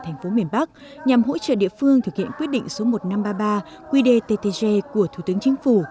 thành phố miền bắc nhằm hỗ trợ địa phương thực hiện quyết định số một nghìn năm trăm ba mươi ba quy đề ttg của thủ tướng chính phủ